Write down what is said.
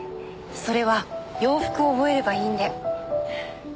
それは洋服を覚えればいいんで。